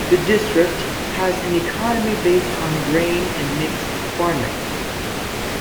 The district has an economy based on grain and mixed farming.